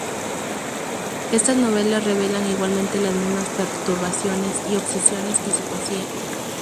Estas novelas revelan igualmente las mismas perturbaciones y obsesiones que su poesía.